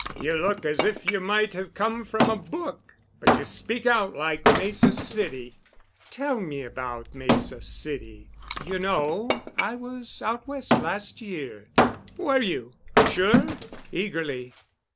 You look as if you might have come from a book—but you speak out like Mesa City." "Tell me about Mesa City. You know I was out West last year." "Were you? Sure?" eagerly.